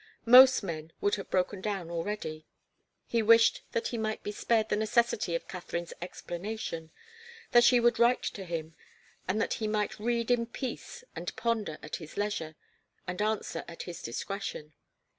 Most men would have broken down already. He wished that he might be spared the necessity of Katharine's explanation that she would write to him, and that he might read in peace and ponder at his leisure and answer at his discretion.